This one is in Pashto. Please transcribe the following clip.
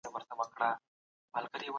د تاریخ په لوستلو سره انسان په حقیقت خبرېږي.